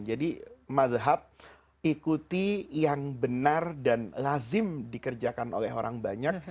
jadi madhab ikuti yang benar dan lazim dikerjakan oleh orang banyak